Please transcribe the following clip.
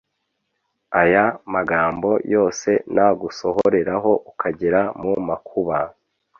Aya magambo yose nagusohoreraho ukagera mu makuba,